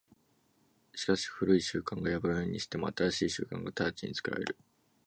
しかし旧い習慣が破られるにしても、新しい習慣が直ちに作られる。